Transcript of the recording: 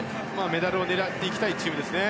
メダルを狙っていきたいチームですね。